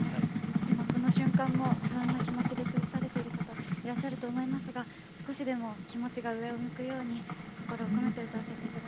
今この瞬間も不安な気持ちで過ごされている方いらっしゃると思いますが少しでも気持ちが上を向くように心を込めて歌わせていただきます。